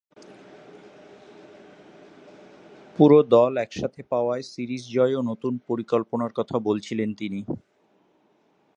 পুরো দল একসঙ্গে পাওয়ায় সিরিজ জয় ও নতুন পরিকল্পনার কথা বলেছিলেন তিনি।